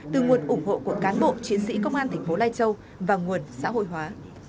từ nguồn ủng hộ của cán bộ chiến sĩ công an tp lai châu và nguồn xã hội hóa